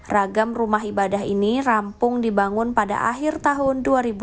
ragam rumah ibadah ini rampung dibangun pada akhir tahun dua ribu dua puluh